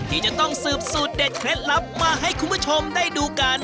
ที่จะต้องสืบสูตรเด็ดเคล็ดลับมาให้คุณผู้ชมได้ดูกัน